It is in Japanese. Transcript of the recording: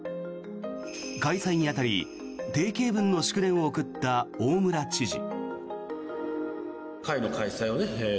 開催に当たり定型文の祝電を送った大村知事。